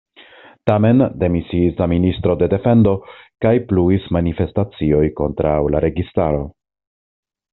Tamen demisiis la Ministro de Defendo kaj pluis manifestacioj kontraŭ la registaro.